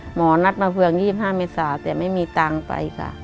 หมอนัดมาเฟือง๒๕เมษาแต่ไม่มีตังค์ไปค่ะ